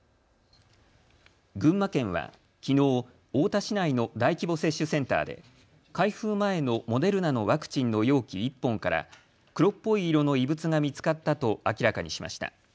群馬県はきのう太田市内の大規模接種センターで開封前のモデルナのワクチンの容器１本から黒っぽい色の異物が見つかったと明らかにしました。